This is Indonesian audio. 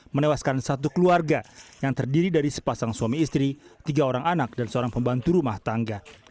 menewaskan satu keluarga yang terdiri dari sepasang suami istri tiga orang anak dan seorang pembantu rumah tangga